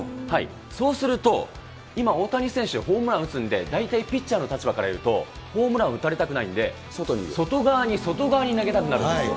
そうすると、今、大谷選手はホームラン打つんで、大体ピッチャーの立場から言うと、ホームラン打たれたくないんで、外側に、外側に投げたくなるんですよ。